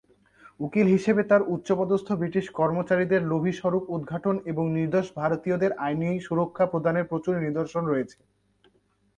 উকিল হিসেবে তার উচ্চপদস্থ ব্রিটিশ কর্মচারীদের লোভী স্বরূপ উদ্ঘাটন এবং নির্দোষ ভারতীয়দের আইনি সুরক্ষা প্রদানের প্রচুর নিদর্শন রয়েছে।